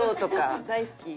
大好き。